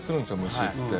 虫って。